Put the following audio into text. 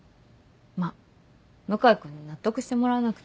まぁ向井君に納得してもらわなくて。